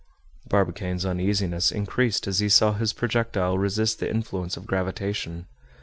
Barbicane's uneasiness increased as he saw his projectile resist the influence of gravitation.